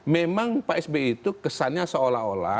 memang pak sby itu kesannya seolah olah